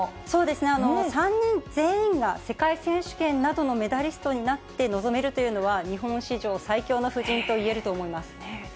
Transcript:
そうですね、３人全員が世界選手権などのメダリストになって臨めるというのは、日本史上最強の布陣といえると思います。